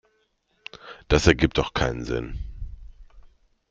Das ergibt doch keinen Sinn.